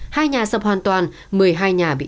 hai nhà sập hoàn toàn một mươi hai nhà bị